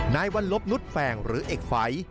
นายวัลลบนุษย์แฟงหรือเอกฝัย